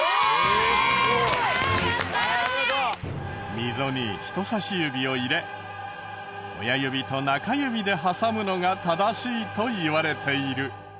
溝に人さし指を入れ親指と中指で挟むのが正しいといわれている。